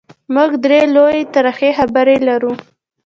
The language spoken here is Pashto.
موږ درې لویې ترخې خبرې لرو: